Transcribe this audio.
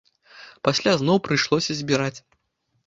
Пасля зноў прыйшлося збіраць.